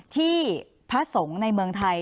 ที่พระสงฆ์ในเมืองไทย